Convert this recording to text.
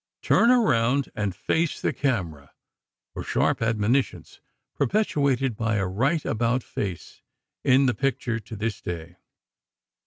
Turn around and face the camera," were sharp admonitions perpetuated by a right about face in the picture to this day.